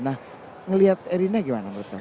nah ngelihat erina gimana menurut kamu